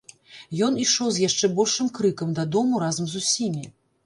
Ён ішоў з яшчэ большым крыкам дадому разам з усімі.